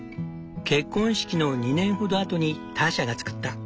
結婚式の２年ほど後にターシャが作った。